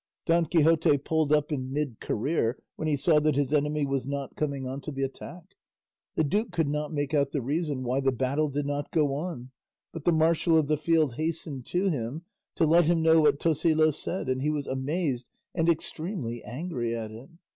Don Quixote pulled up in mid career when he saw that his enemy was not coming on to the attack. The duke could not make out the reason why the battle did not go on; but the marshal of the field hastened to him to let him know what Tosilos said, and he was amazed and extremely angry at it.